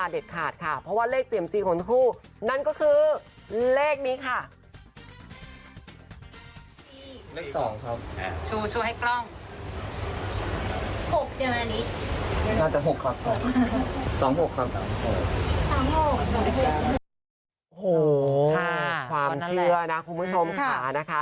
โหความเชื่อนะคุณผู้ชมค่ะ